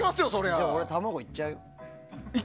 じゃあ俺、卵いっちゃうよ。